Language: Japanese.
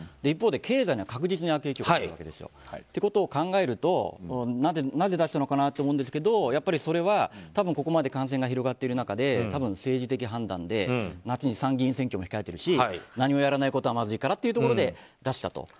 一方で経済には確実に悪影響してるわけですよ。ということを考えるとなぜ出したのかなと思うんですけどそれは、多分ここまで感染が広がっている中で多分、政治的判断で夏に参議院選挙が控えているし何もやらないことはまずいからということで出したと。